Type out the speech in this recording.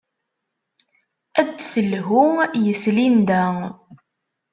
Ad d-telhu yes-s Linda.